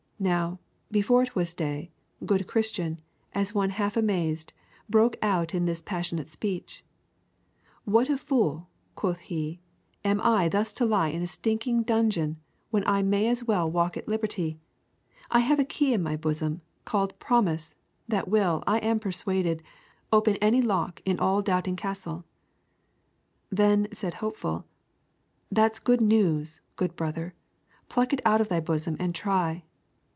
Now, before it was day, good Christian, as one half amazed, broke out in this passionate speech: "What a fool," quoth he, "am I thus to lie in a stinking dungeon when I may as well walk at liberty; I have a key in my bosom, called Promise, that will, I am persuaded, open any lock in all Doubting Castle." Then said Hopeful: "That's good news, good brother; pluck it out of thy bosom and try."'